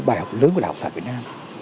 bài học lớn của đh việt nam